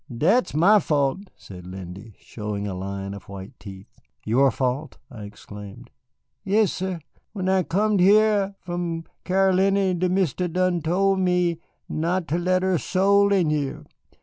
Dat's my fault," said Lindy, showing a line of white teeth. "Your fault," I exclaimed. "Yassir. When I comed here from Caroliny de Mistis done tole me not ter let er soul in hyah.